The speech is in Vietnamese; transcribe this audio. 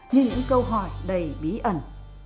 như những câu hỏi đầy bí ẩn